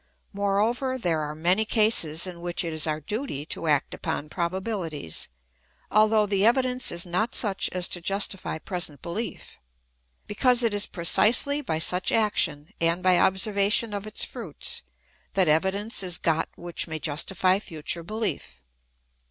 Moreover there are many cases in which it is our duty to act upon proba bihties, although the evidence is not such as to justify present behef ; because it is precisely by such action, and by observation of its fruits, that evidence is got which may justify future belief.